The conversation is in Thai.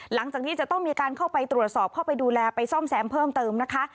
หลังจากนี้จะต้องมีการเข้าไปตรวจสอบเข้าไปดูแลไปซ่อมแซมเพิ่มเติมนะคะ